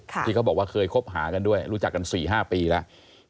ที่เขาบอกว่าเคยคบหากันด้วยรู้จักกัน๔๕ปีแล้ว